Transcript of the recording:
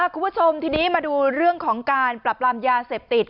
คุณผู้ชมทีนี้มาดูเรื่องของการปรับรามยาเสพติด